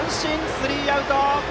スリーアウト！